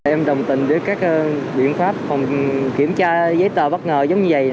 em đồng tình với các biện pháp phòng kiểm tra giấy tờ bất ngờ giống như vậy